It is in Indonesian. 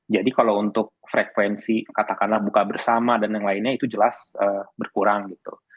jadi kalau untuk frekuensi katakanlah buka bersama dan yang lainnya itu jelas berkurang gitu